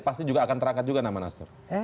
pasti juga akan terangkat juga nama nasdem